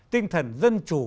tinh thần dân chủ